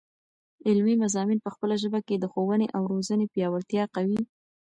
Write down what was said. علمي مضامین په خپله ژبه کې، د ښوونې او روزني پیاوړتیا قوي.